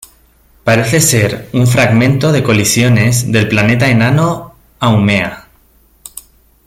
Parece ser un fragmento de colisiones del planeta enano Haumea.